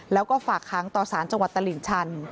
แล้วก็ฝากค้างต่อสารจังหวัดตลิ่งชัน